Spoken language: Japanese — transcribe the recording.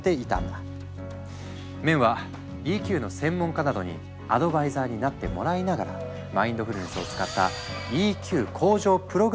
メンは「ＥＱ」の専門家などにアドバイザーになってもらいながらマインドフルネスを使ったＥＱ向上プログラムを開発。